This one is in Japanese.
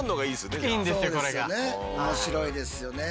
いいんですよ